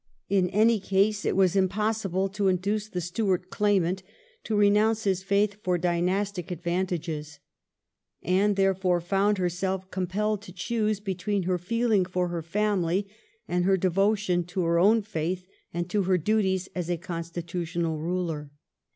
In any case, it was impossible to induce the Stuart claimant to re nounce his faith for dynastic advantages. Anne therefore found herself compelled to choose between her feeUng for her family, and her devotion to her own faith and to her duties as a constitutional ruler.